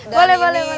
boleh boleh boleh